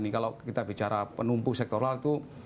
kalau kita bicara penumpu sektoral itu